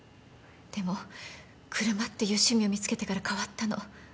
でも車っていう趣味を見つけてから変わったの。